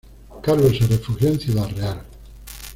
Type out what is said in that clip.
Carlos se refugió en Ciudad Real.